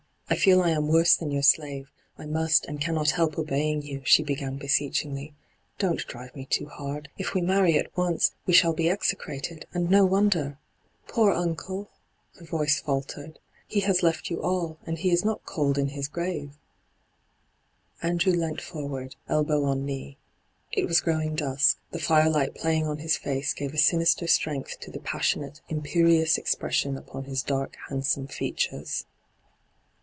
I feel I am worse than your slave ; I must and cannot help obeying you,' she began beseechingly, ' Don't drive me too hard. If we marry at once, we shall be execrated, and no wonder I Poor uncle !' Her voice faltered. ' He has left you all, and he is not cold in his grave,' Andrew leant forward, elbow on knee. It was growing dusk ; the firelight playing on his face gave a sinister strength to the pas sionate, imperious expression upon his dark, handsome features.